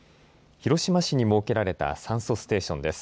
広島市に設けられた酸素ステーションです。